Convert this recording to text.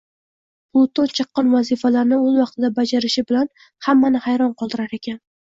Pluton chaqqon vazifalarini oʻz vaqtida bajarishi bilan hammani hayron qoldirar ekan